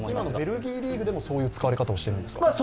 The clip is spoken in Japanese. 今のベルギーリーグでもそういう使われ方をしているんですか？